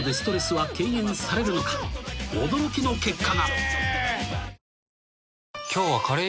［驚きの結果が］